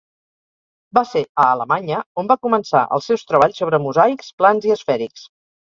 Va ser a Alemanya on va començar els seus treballs sobre mosaics plans i esfèrics.